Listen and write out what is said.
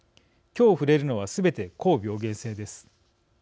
今日触れるのは、すべて高病原性です。